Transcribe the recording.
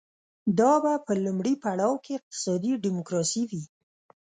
دا به په لومړي پړاو کې اقتصادي ډیموکراسي وي